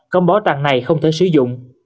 công bảo tàng này không thể sử dụng